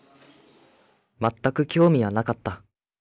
全く興味はなかった。